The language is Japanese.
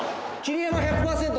桐山１００％